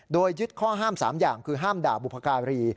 โดยยึดข้อห้าม๓อย่างคือห้ามด่าบุพการี